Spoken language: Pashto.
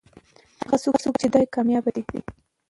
هغه څوک چې درس وايي کامياب دي.